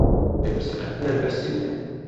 Vê pirsê qet nebirsivîne!